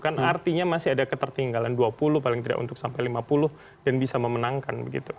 kan artinya masih ada ketertinggalan dua puluh paling tidak untuk sampai lima puluh dan bisa memenangkan begitu